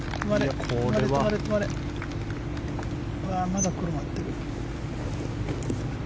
まだ転がってる。